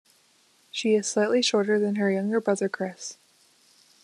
She is slightly shorter than her younger brother Chris.